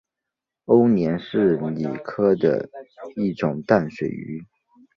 欧鲢是鲤科的一种淡水鱼。